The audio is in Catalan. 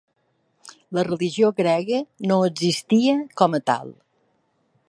La religió grega no existia com a tal.